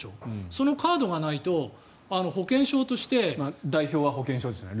そのカードがないと保険証として。代表は保険証ですよね。